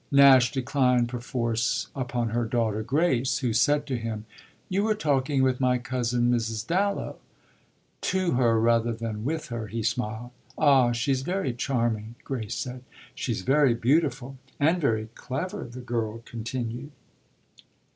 Nash declined perforce upon her daughter Grace, who said to him: "You were talking with my cousin Mrs. Dallow." "To her rather than with her," he smiled. "Ah she's very charming," Grace said. "She's very beautiful." "And very clever," the girl continued.